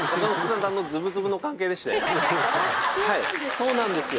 そうなんですよ。